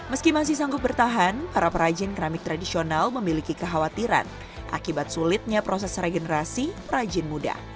meski masih sanggup bertahan para perajin keramik tradisional memiliki kekhawatiran akibat sulitnya proses regenerasi perajin muda